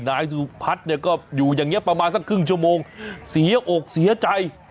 นายสุพัฒน์เนี่ยก็อยู่อย่างนี้ประมาณสักครึ่งชั่วโมงเสียอกเสียใจ